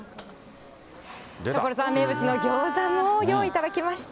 所沢名物のギョーザも用意しました。